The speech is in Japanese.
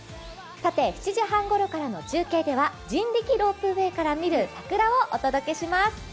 ７時半ごろのからの中継では人力ロープウエーから見る桜をお届けします。